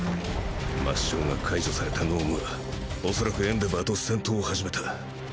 抹消が解除された脳無は恐らくエンデヴァーと戦闘を始めた。